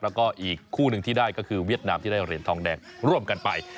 แล้วก็อีกคู่หนึ่งที่ได้ก็คือเวียดนามที่ได้เหรียญทองแดงร่วมกันไป